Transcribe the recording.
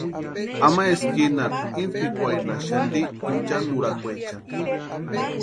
Ama eskinarhu intspikwarhinhaxati inchanturhakwechani.